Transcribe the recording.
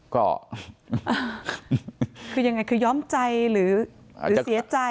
ก็คือยังไงคือย้อมใจหรือเสียใจ